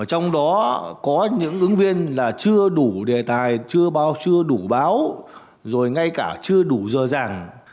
trong đó có những ứng viên là chưa đủ đề tài chưa đủ báo rồi ngay cả chưa đủ giờ